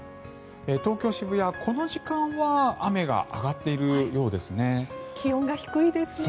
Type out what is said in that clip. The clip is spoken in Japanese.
東京・渋谷、この時間は雨が上がっているようですね。